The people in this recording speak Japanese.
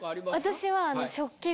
私は。